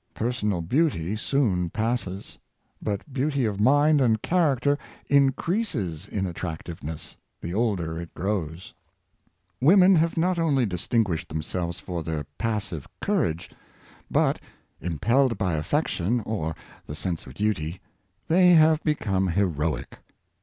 Personal beauty soon passes; but beauty of mind and character increases in attractiveness the older it grows. Women have not only distinguished themselves for their passive courage, but, impelled by affection, or the sense of duty, they have become heroic.